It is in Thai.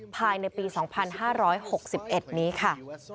ภายในปี๒๕๖๑นี้ค่ะ